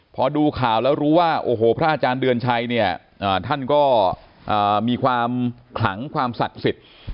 พอดูข่าวแล้วรู้ว่าโอ้โหพระอาจารย์เดือนชัยเนี่ยท่านก็มีความขลังความศักดิ์สิทธิ์